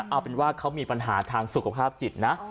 เอาเป็นว่าเขามีปัญหาทางสุขภาพจิตนะ